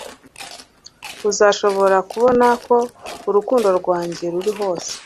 uzashobora kubona ko urukundo rwanjye ruri hose